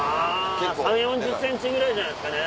３０４０ｃｍぐらいじゃないですかね。